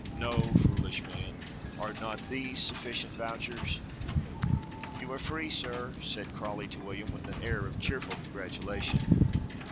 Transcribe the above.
"No! foolish man. Are not these sufficient vouchers? You are free, sir," said Crawley to William with an air of cheerful congratulation.